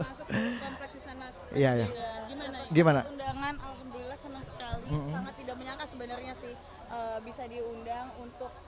sangat tidak menyangka sebenarnya sih bisa diundang untuk